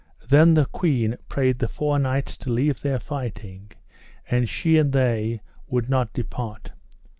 Then the queen prayed the four knights to leave their fighting, and she and they would not depart.